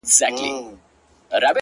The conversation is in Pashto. کور مي ورانېدی ورته کتله مي’